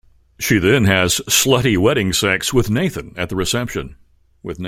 She then has "slutty wedding sex" with Nathan at the reception.